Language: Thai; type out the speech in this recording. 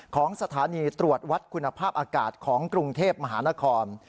ของสถานีตรวจวัดคุณภาพอากาศของกรุงเทพมหานคร